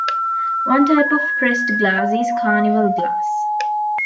One type of pressed glass is carnival glass.